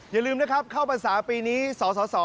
อย่าลืมนะครับเข้าพรรษาปีนี้สส